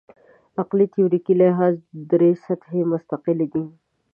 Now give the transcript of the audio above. عقلي تیوریکي لحاظ درې سطحې مستقلې دي.